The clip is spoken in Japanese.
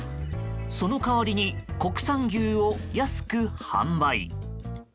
その代わりに国産牛などを安く販売。